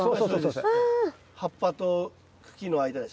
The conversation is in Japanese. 葉っぱと茎の間です。